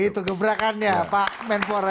itu gebrakannya pak menfuara